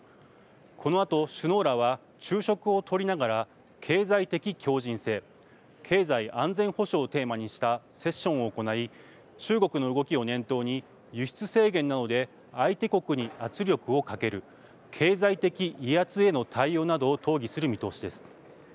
このあと首脳らは昼食をとりながら経済的強じん性・経済安全保障をテーマにしたセッションを行い中国の動きを念頭に輸出制限などで相手国に圧力をかける経済的威圧への対応などを討議する見通しです。